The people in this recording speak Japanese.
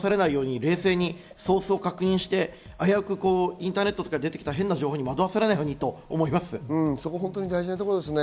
デマに惑わされないように冷静にソースを確認してインターネットに出てきた変な情報に惑わされないようにと思います。